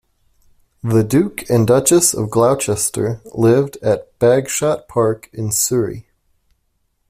The Duke and Duchess of Gloucester lived at Bagshot Park in Surrey.